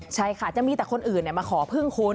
ใช่ค่ะจะมีแต่คนอื่นมาขอพึ่งคุณ